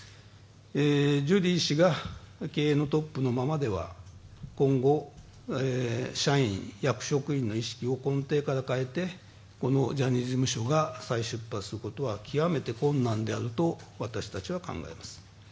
ジュリー氏が経営のトップのままでは今後、社員・役職員の意識を根底から変えて、このジャニーズ事務所が再出発することは極めて困難であると私たちは考えます。